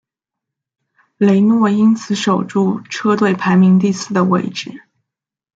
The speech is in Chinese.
雷诺因此守住车队排名第四的位子。